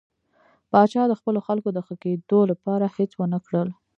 پاچا د خپلو خلکو د ښه کېدو لپاره هېڅ ونه کړل.